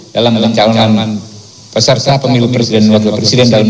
dalam mencalonkan peserta pemilu presiden dan wakil presiden tahun dua ribu dua puluh empat